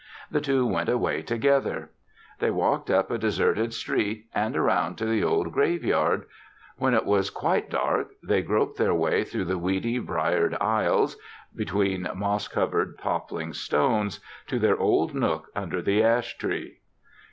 The two went away together. They walked up a deserted street and around to the old graveyard. When it was quite dark, they groped their way through the weedy, briered aisles, between moss covered toppling stones, to their old nook under the ash tree.